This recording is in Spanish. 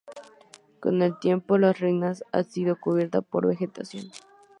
Con el tiempo las ruinas han sido cubiertas por la vegetación.